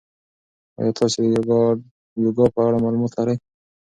ایا تاسي د یوګا په اړه معلومات لرئ؟